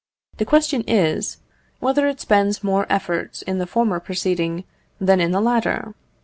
The question is, whether it spends more efforts in the former proceeding than in the latter?